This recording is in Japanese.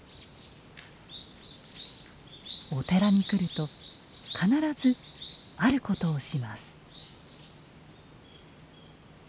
お寺に来ると必ずあることをします。